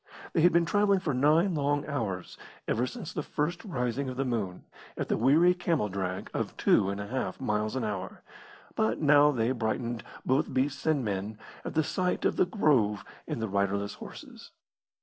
They had been travelling for nine long hours, ever since the first rising of the moon, at the weary camel drag of two and a half miles an hour, but now they brightened, both beasts and men, at the sight of the grove and the riderless horses.